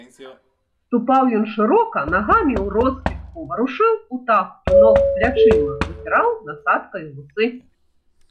Ступаў ён шырока, нагамі ўроскідку, варушыў у тахту ног плячыма, выціраў насаткаю вусы.